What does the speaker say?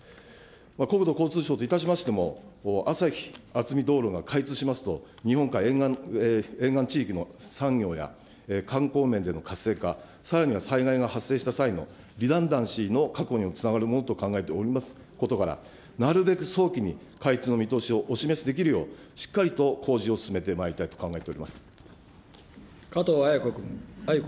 国土交通省といたしましても、あさひあつみ道路が開通しますと、日本海沿岸地域の産業や観光面での活性化、さらには災害が発生した際のリダンダンシーの確保につながるものと考えておりますことから、なるべく早期に開通の見通しをお示しできるよう、しっかりと工事を進めてまいりたいと考え加藤鮎子君。